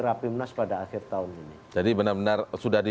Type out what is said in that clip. rapimnas pada akhir tahun ini